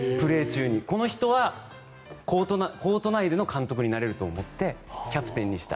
この人はコート内での監督になれると思ってキャプテンにした。